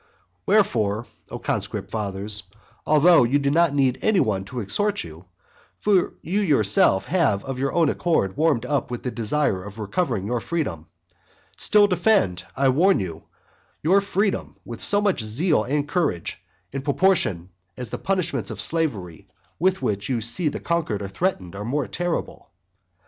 II. Wherefore, O conscript fathers, although you do not need any one to exhort you, (for you yourself have of your own accord warmed up with the desire of recovering your freedom,) still defend, I warn you, your freedom with so much the more zeal and courage, in proportion as the punishments of slavery with which you see the conquered are threatened are more terrible.